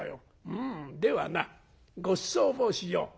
「うんではなごちそうをしよう」。